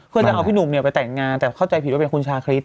เพื่อจะเอาพี่หนุ่มไปแต่งงานแต่เข้าใจผิดว่าเป็นคุณชาคริส